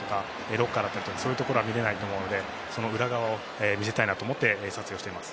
ロッカーだったりとかそういうところは見れないと思うのでその裏側を見せたいなと思って撮影をしています。